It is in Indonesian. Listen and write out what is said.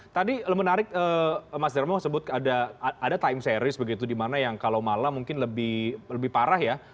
tadi lebih menarik mas dermo sebut ada time series begitu di mana yang kalau malam mungkin lebih parah ya mas dermo ya